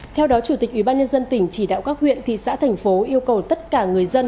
theo đó chủ tịch ủy ban nhân dân tỉnh chỉ đạo các huyện thị xã thành phố yêu cầu tất cả người dân